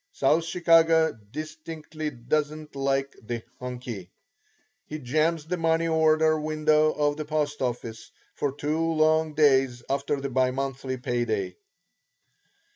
South Chicago distinctly doesn't like the "Hunkie." He jams the money order window of the post office for two long days after the bi monthly pay day.